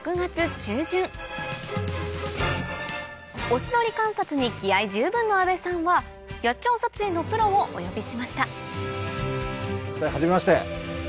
オシドリ観察に気合十分の阿部さんは野鳥撮影のプロをお呼びしましたはじめまして。